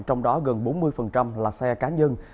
trong đó gần bốn mươi là xe cá nhân